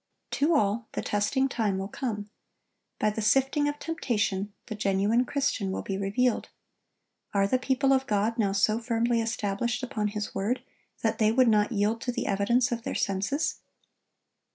To all, the testing time will come. By the sifting of temptation, the genuine Christian will be revealed. Are the people of God now so firmly established upon His word that they would not yield to the evidence of their senses?